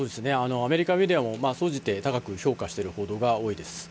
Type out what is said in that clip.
アメリカメディアも総じて高く評価している報道が多いです。